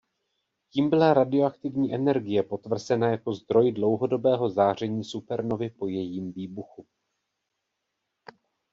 Tím byla radioaktivní energie potvrzena jako zdroj dlouhodobého záření supernovy po jejím výbuchu.